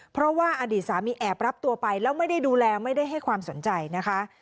เพราะว่าอดีตสามีแอบรับตัวไปแล้วไม่ได้ดูแลไม่ได้ให้ความสนใจนะคะ